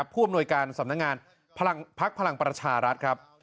ผู้อำนวยการสำนักงานพักพลังประชารัฐครับ